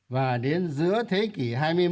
và đến giữa thế kỷ hai mươi một